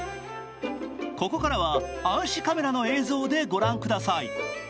ここからは暗視カメラの映像でご覧ください。